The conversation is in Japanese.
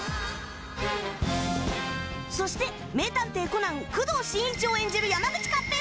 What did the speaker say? そして『名探偵コナン』工藤新一を演じる山口勝平さん